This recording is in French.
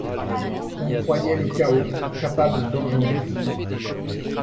On croyait le chaos càpable d’engendrer